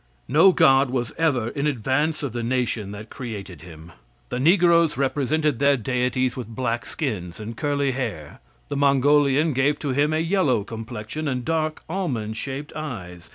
No god was ever in advance of the nation that created him. The negroes represented their deities with black skins and curly hair. The Mongolian gave to his a yellow complexion and dark almond shaped eyes.